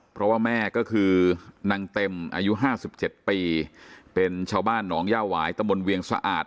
เพราะว่าแม่ก็คือนางเต็มอายุ๕๗ปีเป็นชาวบ้านหนองย่าหวายตะมนต์เวียงสะอาด